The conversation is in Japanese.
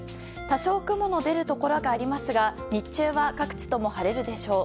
多少雲の出るところがありますが日中は各地とも晴れるでしょう。